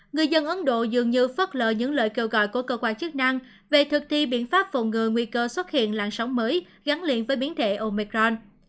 người dân ấn độ dường như phất lờ những lời kêu gọi của cơ quan chức năng về thực thi biện pháp phòng ngừa nguy cơ xuất hiện làn sóng mới gắn liền với biến thể omicron